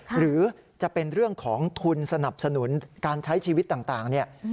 หรือจะเป็นเรื่องของทุนสนับสนุนการใช้ชีวิตต่างเนี่ย